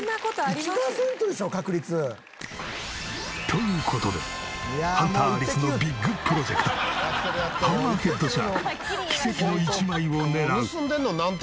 という事でハンターアリスのビッグプロジェクトハンマーヘッドシャーク奇跡の一枚を狙う。